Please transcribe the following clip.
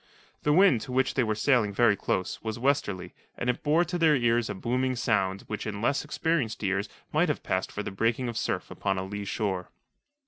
The wind, to which they were sailing very close, was westerly, and it bore to their ears a booming sound which in less experienced ears might have passed for the breaking of surf upon a lee shore.